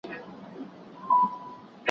که وخت وي، زدکړه کوم؟